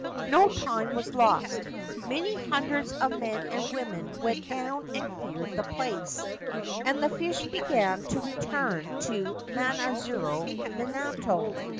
No time was lost. Many hundreds of men and women went down and cleared the place ; and the fish began to return to Manazuru minato.